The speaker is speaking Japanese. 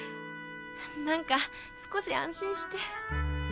なんか少し安心して。